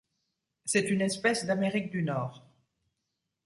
C'est une espèce d'Amérique du Nord.